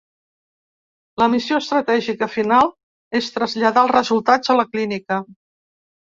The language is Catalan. La missió estratègica final és traslladar els resultats a la clínica.